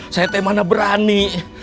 saya teman berani